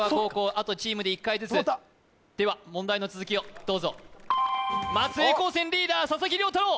あとチームで１回ずつでは問題の続きをどうぞ松江高専リーダー佐々木涼太郎